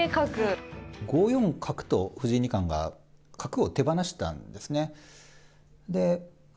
５四角と、藤井二冠が角を手放したんですね。